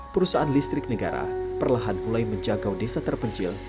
perusahaan listrik negara perlahan mulai menjangkau desa terpencil